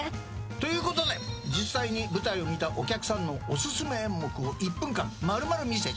ということで実際に舞台を見たお客さんのお薦め演目を１分間丸々見せちゃう。